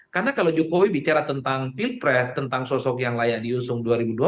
karena kalau jokowi bicara tentang pilpres tentang sosok yang layak diusung dua ribu dua puluh empat